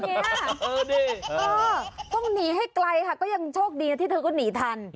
นี่ต้องหนีให้ไกลค่ะก็ยังโชคดีนะที่เธอก็หนีทัน